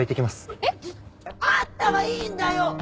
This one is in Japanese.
えっ？あんたはいいんだよ！